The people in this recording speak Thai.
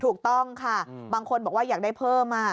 ถูกต้องค่ะบางคนบอกว่าอยากได้เพิ่ม